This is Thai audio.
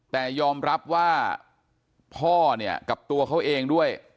แต่ยอมรับว่าพ่อเนี่ยกับตัวเขาเองด้วย